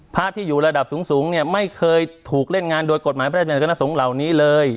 พระที่อยู่ระดับสูงเนี่ยไม่เคยถูกเล่นงานโดยกฎหมายพระราชนาคณะสงฆ์เหล่านี้เลย